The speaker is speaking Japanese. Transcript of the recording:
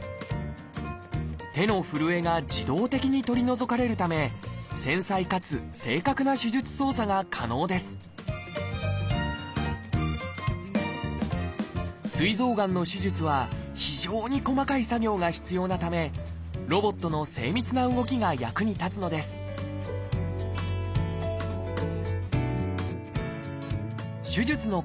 手の震えが自動的に取り除かれるため繊細かつ正確な手術操作が可能ですすい臓がんの手術は非常に細かい作業が必要なためロボットの精密な動きが役に立つのです手術の